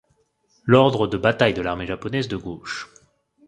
L'ordre de bataille de l'armée japonaise de gauche.